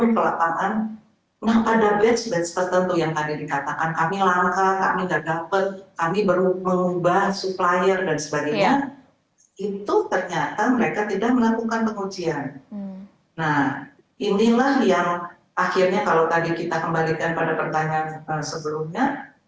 kalau kita kembalikan pada pertanyaan sebelumnya